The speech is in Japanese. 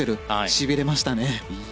しびれましたね。